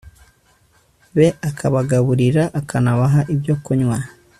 be akabagaburira akanabaha ibyo kunywa